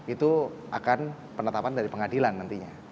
itu akan penetapan dari pengadilan nantinya